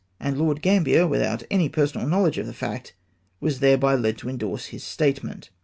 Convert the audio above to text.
! and Lord Gambler, without any personal knowledge of the fact, was thereby led to endorse his statement.